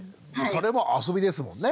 それもあそびですもんね。